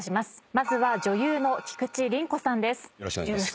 まずは女優の菊地凛子さんです。